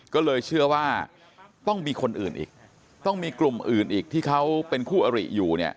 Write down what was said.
ก็เลยเชื่อว่าต้องมีคนอื่นอีกต้องมีกลุ่มอื่นอีกที่เขาเป็นคู่อริอยู่เนี่ย